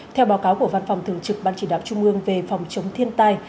theo báo cáo của văn phòng thường trực ban chỉ đạo trung ương về phòng chống thiên tai